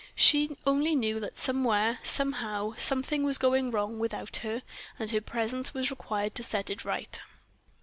She only knew that somewhere, somehow, something was going wrong without her, and her presence was required to set it right.